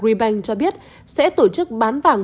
agribank cho biết sẽ tổ chức bán vàng